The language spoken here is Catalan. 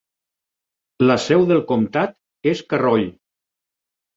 La seu del comtat és Carroll.